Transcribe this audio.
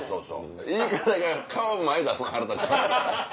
言い方が顔前に出すの腹立ちます。